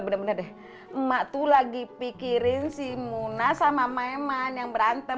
bener bener deh emak tuh lagi pikirin si muna sama maiman yang berantem